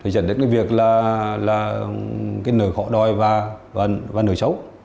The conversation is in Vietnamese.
dẫn đến việc nở khổ đòi và nở xấu